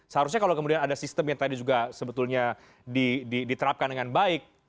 seharusnya kalau kemudian ada sistem yang tadi juga sebetulnya diterapkan dengan baik